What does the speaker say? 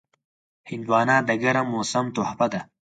هندوانه د ګرم موسم تحفه ده.